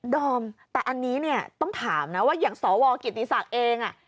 อมแต่อันนี้เนี่ยต้องถามนะว่าอย่างสวกิติศักดิ์เอง